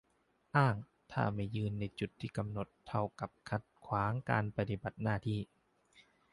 อ้างถ้าไม่ยืนในจุดที่กำหนดเท่ากับขัดขวางการปฏิบัติหน้าที่